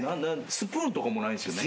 スプーンとかもないんすよね？